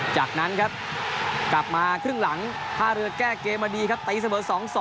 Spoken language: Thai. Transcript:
จากนั้นครับกลับมาครึ่งหลังท่าเรือแก้เกมมาดีครับตีเสมอ๒๒